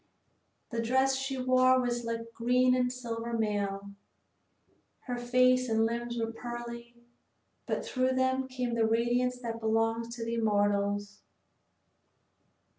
The dress she wore was like green and silver mail. Her face and limbs were pearly, but through them came the radiance that belongs to the immortals.